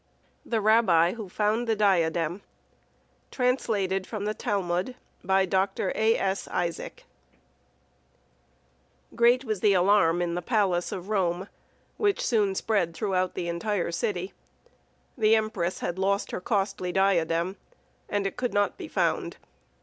THE RABBI WHO FOUND THE DIADEM Translated from the Talmud by Dr. A. S. Isaacs Great was the alarm in the palace of Rome, which soon spread throughout the entire city. The empress had lost her costly diadem, and it could not be found.